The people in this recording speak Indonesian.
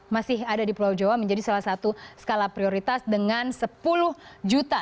masih ada di pulau jawa menjadi salah satu skala prioritas dengan sepuluh juta